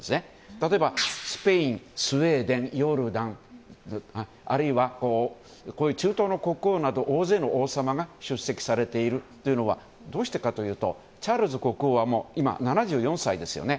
例えば、スペインスウェーデン、ヨルダンあるいは中東の国王など大勢の王様が出席されているというのはどうしてかというとチャールズ国王はもう今７４歳ですよね。